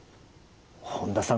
本田さん